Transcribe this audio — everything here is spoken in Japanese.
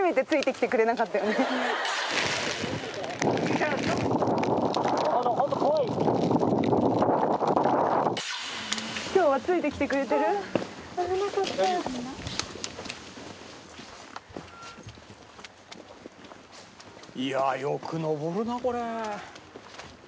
いやあよく登るなこれ。